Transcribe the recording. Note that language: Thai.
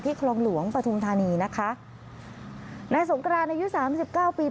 คลองหลวงปฐุมธานีนะคะนายสงกรานอายุสามสิบเก้าปี